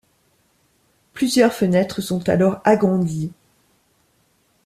Plusieurs fenêtres sont alors agrandies.